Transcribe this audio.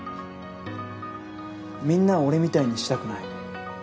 みんなを俺みたいにしたくない。